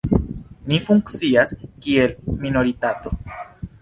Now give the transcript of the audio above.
Ni funkcias kiel minoritato.